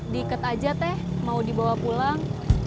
diikat aja teh mau dibawa pulang